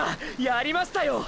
やりましたよォ！！